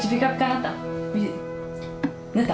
なった？